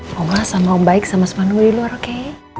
semua sama baik sama sama di luar oke